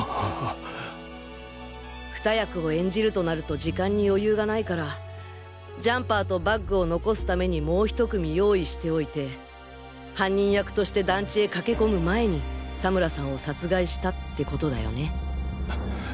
二役を演じるとなると時間に余裕がないからジャンパーとバッグを残すためにもう１組用意しておいて犯人役として団地へ駆け込む前に佐村さんを殺害したって事だよね。